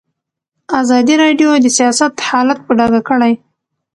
ازادي راډیو د سیاست حالت په ډاګه کړی.